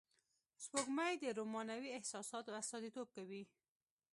سپوږمۍ د رومانوی احساساتو استازیتوب کوي